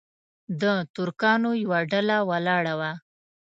د ترکانو یوه ډله ولاړه وه.